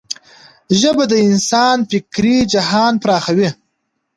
ژبه د انسان فکري جهان پراخوي.